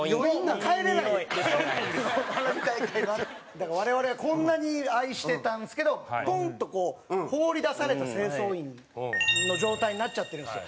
だから我々はこんなに愛してたんですけどポンッと放り出された清掃員の状態になっちゃってるんですよ。